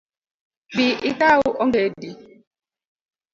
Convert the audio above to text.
Bi ikaw ongedi